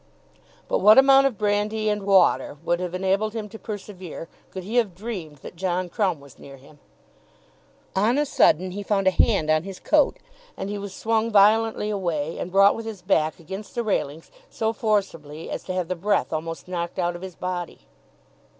But what amount of brandy and water would have enabled him to persevere, could he have dreamed that John Crumb was near him? On a sudden he found a hand on his coat, and he was swung violently away, and brought with his back against the railings so forcibly as to have the breath almost knocked out of his body.